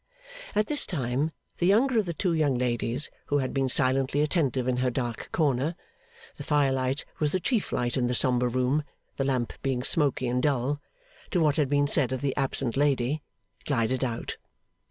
At this time, the younger of the two young ladies, who had been silently attentive in her dark corner (the fire light was the chief light in the sombre room, the lamp being smoky and dull) to what had been said of the absent lady, glided out.